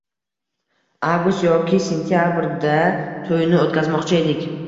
Avgust yoki sentyabrda to`yini o`tkazmoqchi edik